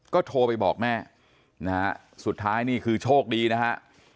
ก็โทรไปบอกแม่นะฮะสุดท้ายนี่คือโชคดีนะฮะ